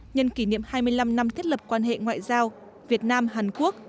nhân kỷ niệm hai mươi năm năm thiết lập quan hệ ngoại giao việt nam hàn quốc